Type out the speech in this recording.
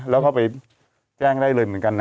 แล้วเข้าไปแจ้งได้เลยเหมือนกันนะครับ